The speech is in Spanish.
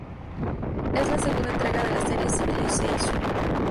Es la segunda entrega de la serie "Civilization".